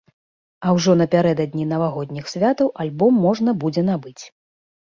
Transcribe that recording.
А ужо напярэдадні навагодніх святаў альбом можна будзе набыць.